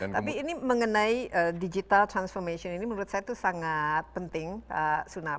tapi ini mengenai digital transformation ini menurut saya itu sangat penting pak sunar